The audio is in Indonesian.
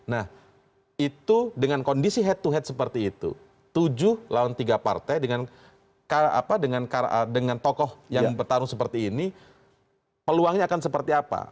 nah itu dengan kondisi head to head seperti itu tujuh lawan tiga partai dengan tokoh yang bertarung seperti ini peluangnya akan seperti apa